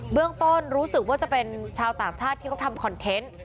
เรื่องต้นรู้สึกว่าจะเป็นชาวต่างชาติที่เขาทำคอนเทนต์